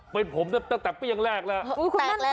เป็นผมต่ำก็ยังแรกแหละ